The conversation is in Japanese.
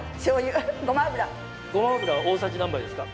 ごま油大さじ何杯ですか？